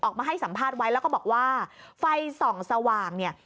ออกมาให้สัมภาษณ์ไว้แล้วก็บอกว่าไฟส่องสว่างเนี่ย